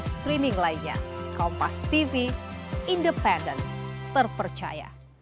streaming lainnya kompastv independen terpercaya